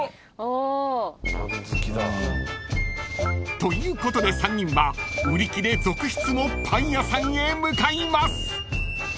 ［ということで３人は売り切れ続出のパン屋さんへ向かいます］